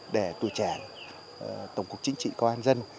để tuổi trẻ tổng cục chính trị công an dân